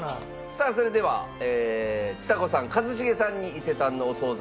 さあそれではちさ子さん一茂さんに伊勢丹のお惣菜